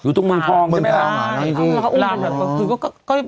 อยู่ตรงเมืองทองใช่ไหมครับใช่แล้วเค้าอุ้มแล้วก็คือก็ก็ก็